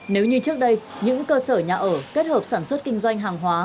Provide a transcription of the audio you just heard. nếu như trước đây những cơ sở nhà ở kết hợp sản xuất kinh doanh hàng hóa